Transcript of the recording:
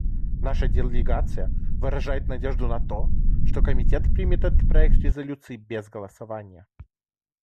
Наша делегация выражает надежду на то, что Комитет примет этот проект резолюции без голосования.